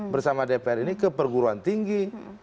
bersama dpr ini ke perguruan tinggi